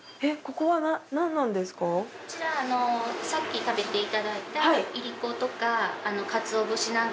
こちらさっき食べていただいた。